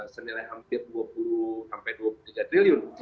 senilai hampir dua puluh dua puluh tiga triliun